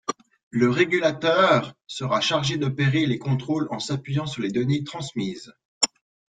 Le régulateur sera chargé d’opérer les contrôles en s’appuyant sur les données transmises.